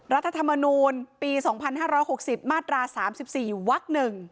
รัฐธรรมนูลปี๒๕๖๐มาตรา๓๔อยู่วัก๑